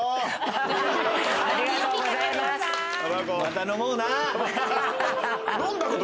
ありがとうございますババ子